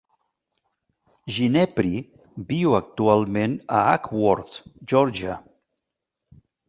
Ginepri viu actualment a Acworth, Georgia.